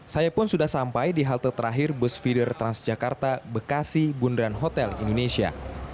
saya pun sudah sampai di halte terakhir bus feeder transjakarta bekasi bundaran hotel indonesia